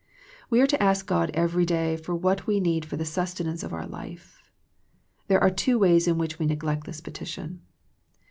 We are to ask God every day for what we need for the sustenance of our life. There are two ways in which we neglect this pe tition.